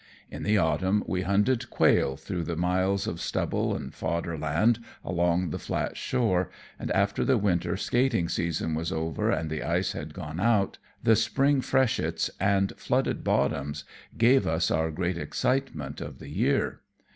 In the autumn we hunted quail through the miles of stubble and fodder land along the flat shore, and, after the winter skating season was over and the ice had gone out, the spring freshets and flooded bottoms gave us our great excitement of the year.